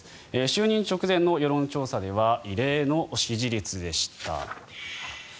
就任直前の世論調査では異例の支持率でした。